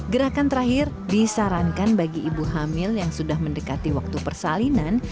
gerakan terakhir disarankan bagi ibu hamil yang sudah mendekati waktu persalinan